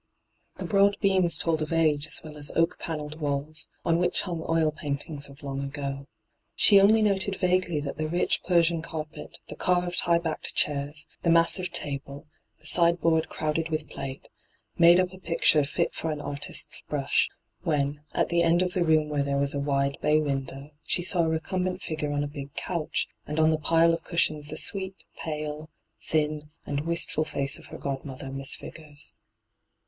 hyGoo^lc ENTRAPPED 263 The broad beams told of f^e aa well as the oak panelled walls, on which hung oil paintings of long ago. She only noted vaguely that the rich Persian carpet, the carved high backed chairs, the massive table, the sideboard crowded with plate, made up a picture fit for an artist's brush, when, at the end of the room where there was a wide bay window, she saw a recumbent figure on a big couch, and on the pile of cushions the sweet, pale, thin, and wistful face of her godmother. Miss Vigors.